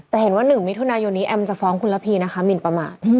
แต่เห็นว่า๑มิถุนายนนี้แอมจะฟ้องคุณระพีนะคะหมินประมาท